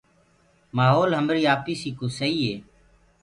مآهولَ همريٚ آپيٚسيٚ ڪو سهيٚ هي